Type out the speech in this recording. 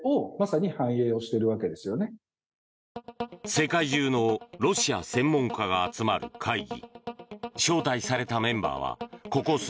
世界中のロシア専門家が集まる会議。